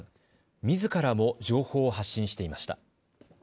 みずからも情報を発信していました。